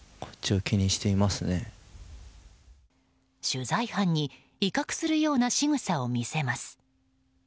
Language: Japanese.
取材班に威嚇するようなしぐさを見せます。